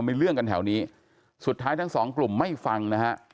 มีเรื่องกันแถวนี้สุดท้ายทั้งสองกลุ่มไม่ฟังนะฮะ